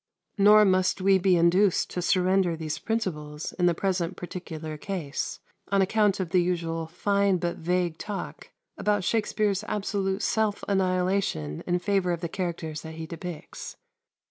Nor must we be induced to surrender these principles, in the present particular case, on account of the usual fine but vague talk about Shakspere's absolute self annihilation in favour of the characters that he depicts.